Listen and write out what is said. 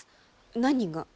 何が？